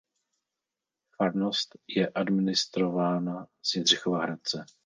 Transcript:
Farnost je administrována z Jindřichova Hradce.